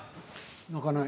泣かない。